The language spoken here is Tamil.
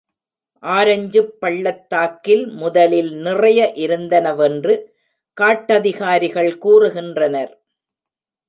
ஆரஞ்சுப் பள்ளத்தாக்கில் முதலில் நிறைய இருந்தனவென்று காட்டதிகாரிகள் கூறுகின்றனர்.